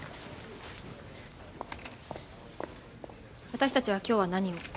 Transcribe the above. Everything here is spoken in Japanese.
私たちは今日は何を？